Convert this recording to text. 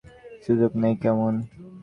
সু্যোগ নেই কেন?